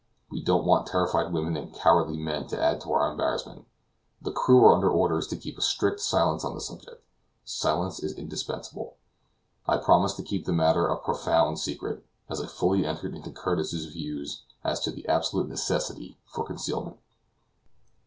We don't want terrified women and cowardly men to add to our embarrassment; the crew are under orders to keep a strict silence on the subject. Silence is indispensable." I promised to keep the matter a profound secret, as I fully entered into Curtis's views as to the absolute necessity for concealment.